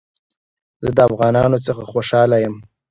زه د افغانانو څخه خوشحاله يم